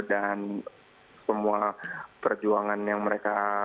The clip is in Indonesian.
dan semua perjuangan yang mereka